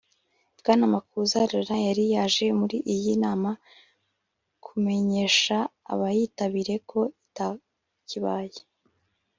Bwana Makuza Lauren yari yaje muri iyi nama kumenyesha abayitabiriye ko itakibaye